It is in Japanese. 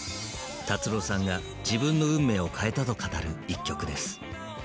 達郎さんが自分の運命を変えたと語る一曲です。